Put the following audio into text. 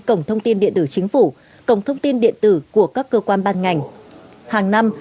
cổng thông tin điện tử chính phủ cổng thông tin điện tử của các cơ quan ban ngành hàng năm